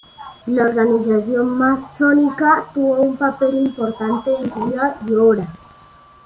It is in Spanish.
La organización masónica tuvo un papel importante en su vida y obra.